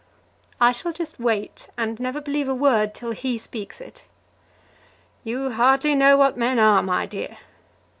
"I shall just wait, and never believe a word till he speaks it." "You hardly know what men are, my dear."